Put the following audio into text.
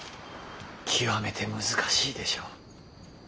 極めて難しいでしょう。